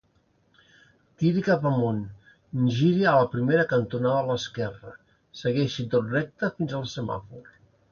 Tiri cap amunt, giri a la primera cantonada a l'esquerra, segueixi tot recte fins al semàfor.